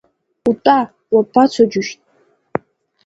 Утәа, уабацо, џьушьҭ!